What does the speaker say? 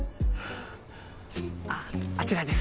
ああちらです。